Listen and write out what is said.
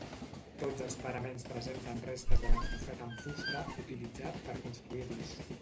Tots els paraments presenten restes de l'encofrat amb fusta utilitzat per construir-los.